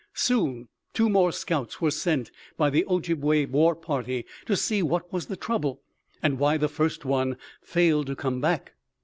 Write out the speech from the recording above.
"Soon two more scouts were sent by the Ojibway war party to see what was the trouble and why the first one failed to come back.